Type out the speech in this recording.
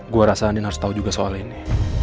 gue rasa andin harus tau juga soal ini